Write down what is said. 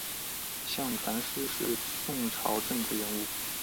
向传师是宋朝政治人物。